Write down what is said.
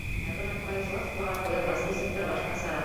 — Ә бына производствоға ҡуйылғас, нисектер, башҡасараҡ...